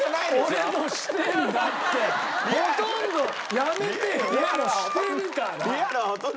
俺もしてるから！